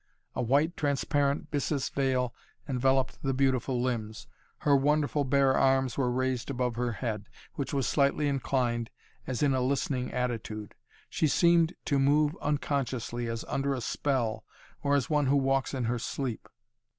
A white transparent byssus veil enveloped the beautiful limbs. Her wonderful bare arms were raised above her head, which was slightly inclined, as in a listening attitude. She seemed to move unconsciously as under a spell or as one who walks in her sleep.